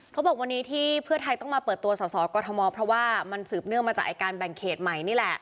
เขาบอกวันนี้ที่เพื่อไทยต้องมาเปิดตัวสอสอกรทมเพราะว่ามันสืบเนื่องมาจากการแบ่งเขตใหม่นี่แหละ